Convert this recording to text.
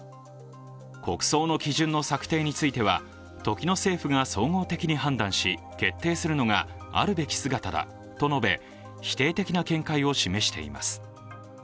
国葬の基準の作成については時の政府が総合的に判断し、決定するのがあるべき姿だと述べ否定的な見解を示しています。